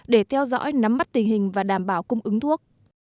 để theo dõi nắm mắt tình hình và đảm bảo cung ứng thuốc